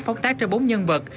phóng tác cho bốn nhân vật